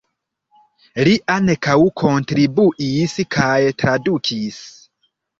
Li ankaŭ kontribuis kaj tradukis.